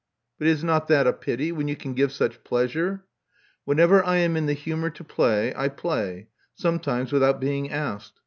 " '*But is not that a pity, when you can give such pleasure?" Whenever I am in the humor to play, I play; sometimes without being asked.